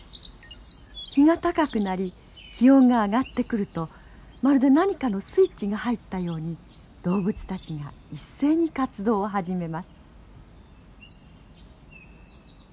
日が高くなり気温が上がってくるとまるで何かのスイッチが入ったように動物たちが一斉に活動を始めます。